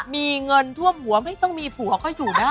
มีเงินท่วมหัวไม่ต้องมีผัวก็อยู่ได้